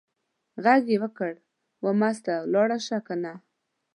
غږ یې وکړ: وه مستو ته لاړه شه کنه.